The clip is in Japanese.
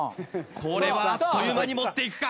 これはあっという間に持っていくか？